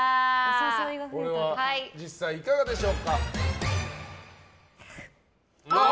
これは実際いかがでしょうか？